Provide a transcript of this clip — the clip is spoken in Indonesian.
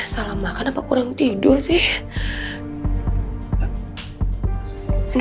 salah makan apa kurang tidur sih